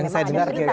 saya tidak mengerti